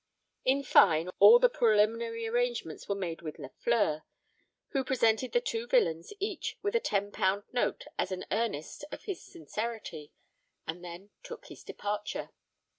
In fine, all the preliminary arrangements were made with Lafleur, who presented the two villains each with a ten pound note as an earnest of his sincerity, and then took his departure.